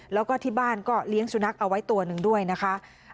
แล้วก็ที่บ้านก็เลี้ยงสุนัขเอาไว้ตัวหนึ่งด้วยนะคะ